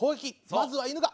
まずは犬が！